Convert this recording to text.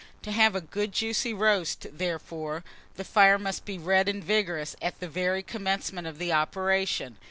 To have a good juicy roast, therefore, the fire must be red and vigorous at the very commencement of the operation.